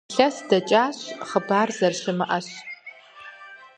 Илъэс дэкӀащ, хъыбар зэрыщымыӀэщ.